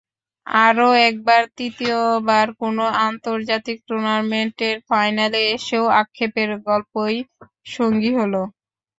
আরও একবার, তৃতীয়বার, কোনো আন্তর্জাতিক টুর্নামেন্টের ফাইনালে এসেও আক্ষেপের গল্পই সঙ্গী হলো।